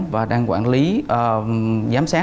và đang quản lý giám sát